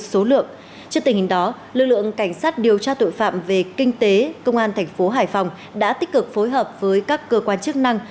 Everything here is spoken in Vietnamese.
trước tình hình đó lực lượng cảnh sát điều tra tội phạm về kinh tế công an thành phố hải phòng đã tích cực phối hợp với các cơ quan chức năng